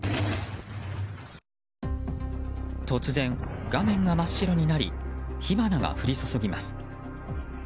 突然、画面が真っ白になり火花が降り注ぎます。